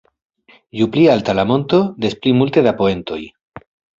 Ju pli alta la monto, des pli multe da poentoj.